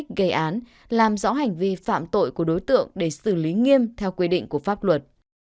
các đơn vị nghiệp vụ tập trung đấu tranh làm rõ hành vi phạm tội của đối tượng để xử lý nghiêm theo quy định của pháp luật